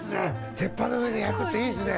鉄板の上で焼くっていいですね。